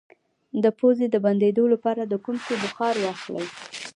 د پوزې د بندیدو لپاره د کوم شي بخار واخلئ؟